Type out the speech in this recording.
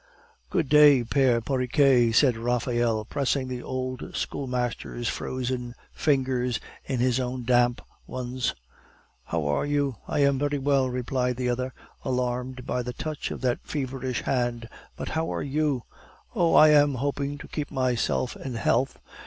"Good day, pere Porriquet," said Raphael, pressing the old schoolmaster's frozen fingers in his own damp ones; "how are you?" "I am very well," replied the other, alarmed by the touch of that feverish hand. "But how about you?" "Oh, I am hoping to keep myself in health."